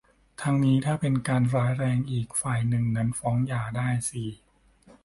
ทั้งนี้ ถ้าเป็นการร้ายแรงอีกฝ่ายหนึ่งนั้นฟ้องหย่าได้ สี่